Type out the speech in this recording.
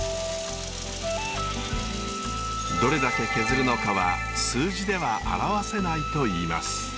どれだけ削るのかは数字では表せないといいます。